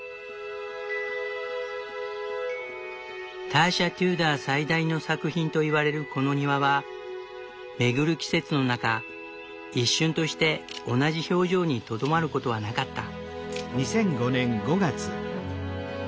ターシャ・テューダー最大の作品と言われるこの庭は巡る季節の中一瞬として同じ表情にとどまることはなかった。